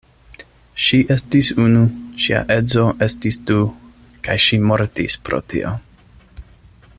Ŝi estis unu, ŝia edzo estis du; kaj ŝi mortis pro tio.